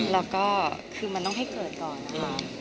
แล้วก็คือมันต้องให้เกิดก่อนนะคะ